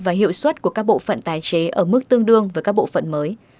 và hiệu suất của các bộ phận tái chế ở mức tương đương với các bộ phận mới